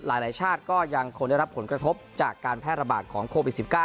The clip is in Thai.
หลายชาติก็ยังคงได้รับผลกระทบจากการแพร่ระบาดของโควิด๑๙